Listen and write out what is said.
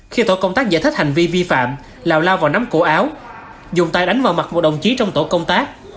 khi tổ công tác giải thích hành vi vi phạm lào lao vào nắm cổ áo dùng tay đánh vào mặt một đồng chí trong tổ công tác